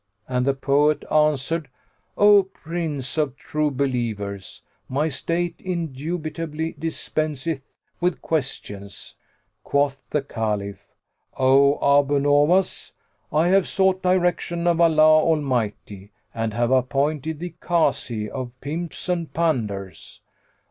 and the poet answered, "O Prince of True Believers, my state indubitably dispenseth with questions." Quoth the Caliph, "O Abu Nowas, I have sought direction of Allah Almighty and have appointed thee Kazi of pimps and panders."